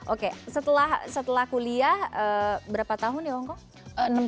oke setelah kuliah berapa tahun di hongkong